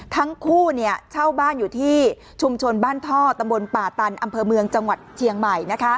ทั้งคู่เช่าบ้านอยู่ที่ชุมชนบ้านท่อตำบลป่าตันอำเภอเมืองจังหวัดเชียงใหม่